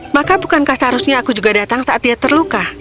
maka bukankah seharusnya aku juga datang saat dia terluka